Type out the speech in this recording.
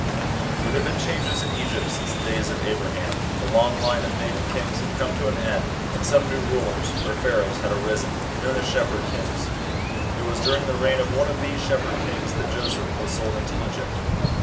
THERE had been changes in Egypt since the days of Abraham, The long line c native kings had come to an end, and some new rulers or *Ph^raohs had arisen, known as " Shepherd kings." It was during the reign of one of these shepherd kings that Joseph was sold into Egypt.